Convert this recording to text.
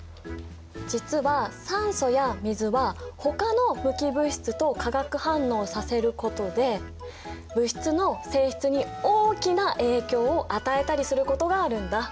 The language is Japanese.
実は酸素や水はほかの無機物質と化学反応させることで物質の性質に大きな影響を与えたりすることがあるんだ。